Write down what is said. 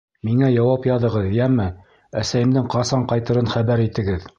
Миңә яуап яҙығыҙ, йәме, әсәйемдең ҡасан ҡайтырын хәбәр итегеҙ.